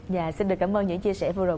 và xin được cảm ơn những chia sẻ vừa rồi